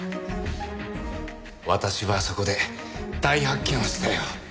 私はそこで大発見をしたよ。